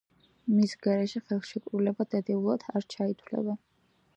მის გარეშე ხელშეკრულება დადებულად არ ჩაითვლება.